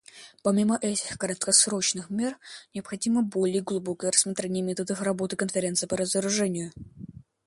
Помимо этих краткосрочных мер, необходимо более глубокое рассмотрение методов работы Конференции по разоружению.